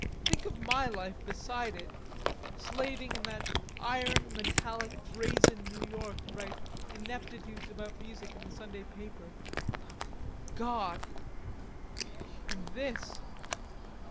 Think of my life beside it. Slaving in that iron, metallic, brazen New York to write ineptitudes about music in the Sunday paper. God! And this."